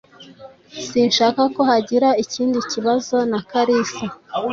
Sinshaka ko hagira ikindi kibazo na Kalisa.